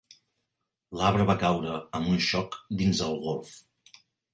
L'arbre va caure amb un xoc dins el golf.